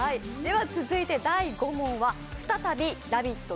続いて第５問は再び、「ラヴィット！